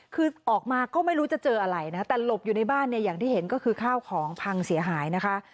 คือออกมาก็ไม่รู้จะเจออะไรนะแต่หลบอยู่ในบ้านเนี่ยอย่างที่เห็นก็คือข้าวของพังเสียหายนะคะ